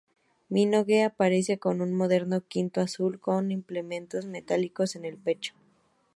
Minogue aparece con un moderno quitón azul, con implementos metálicos en el pecho.